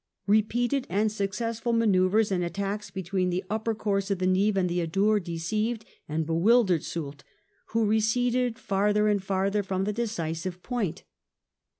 Kepeated and successful manoeuvres and attacks between the upper course of the Nive and the Adour deceived and be wildered Soult, who receded farther and farther from the decisive point.